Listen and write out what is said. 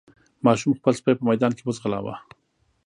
ماشوم خپل سپی په ميدان کې وځغلاوه.